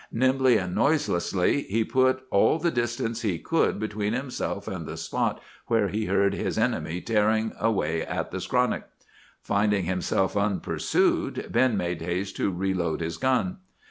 Nimbly and noiselessly he put all the distance he could between himself and the spot where he heard his enemy tearing at the skronnick. "Finding himself unpursued, Ben made haste to reload his gun.